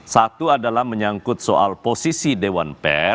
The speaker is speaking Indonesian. satu adalah menyangkut soal posisi dewan pers